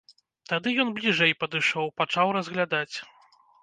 Тады ён бліжэй падышоў, пачаў разглядаць.